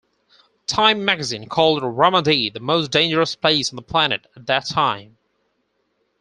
"Time" magazine called Ramadi the most dangerous place on the planet at that time.